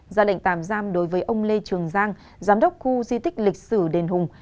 ra lệnh tạm giam đối với ông lê trường giang giám đốc khu di tích lịch sử đền hùng